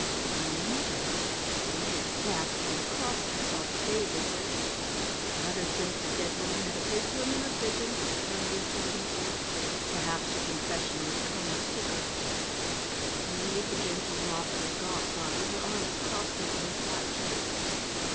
"Holy Mother!" the maid gasped, and crossed herself dazedly. Let her think the dead woman had appeared to him in a vision, Dundee told himself. Perhaps her confession would come the quicker The maid began to rock her gaunt body, her arms crossed over her flat chest.